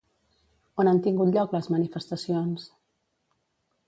On han tingut lloc les manifestacions?